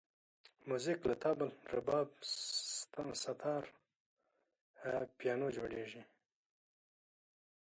موزیک له طبل، رباب، ستار، پیانو جوړېږي.